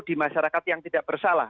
di masyarakat yang tidak bersalah